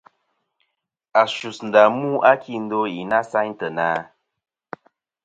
A sus ndà mu a kindo i na sayn teyna?